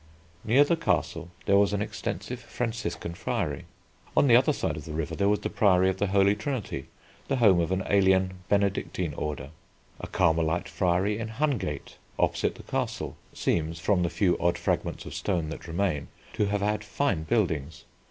Near the Castle there was an extensive Franciscan Friary. On the other side of the river there was the priory of the Holy Trinity, the home of an alien Benedictine order. A Carmelite Friary in Hungate, opposite the Castle, seems, from the few odd fragments of stone that remain, to have had fine buildings.